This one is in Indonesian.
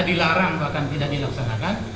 dilarang bahkan tidak dilaksanakan